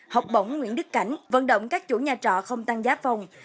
học bổng nguyễn đức cảnh vận động các chủ nhà trọ không tăng giá phòng